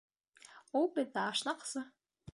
— Ул беҙҙә ашнаҡсы.